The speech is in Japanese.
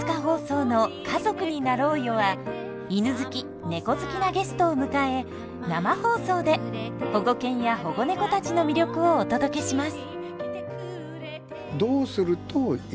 犬好き猫好きなゲストを迎え生放送で保護犬や保護猫たちの魅力をお届けします。